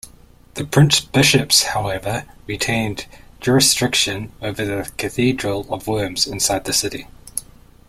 The prince-bishops however retained jurisdiction over the Cathedral of Worms inside the city.